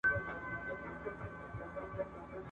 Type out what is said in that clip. او له هیلمند څخه تر جلال آباد !.